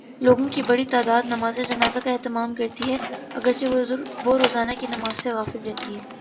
لوگوں کی بڑی تعداد نمازجمعہ کا اہتمام کرتی ہے، اگر چہ وہ روزانہ کی نماز سے غافل رہتی ہے۔